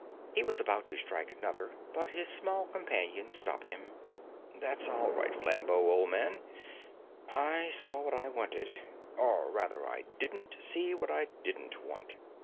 He was about to strike another, but his small companion stopped him. "That's all right, Flambeau, old man; I saw what I wanted. Or, rather, I didn't see what I didn't want.